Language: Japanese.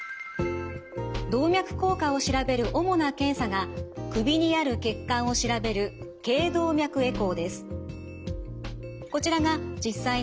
動脈硬化を調べる主な検査が首にある血管を調べるこちらが実際の頚動脈エコーの画像です。